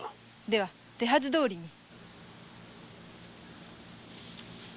では手はずどおりに。